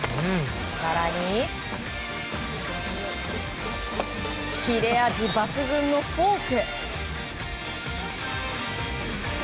更に、切れ味抜群のフォーク！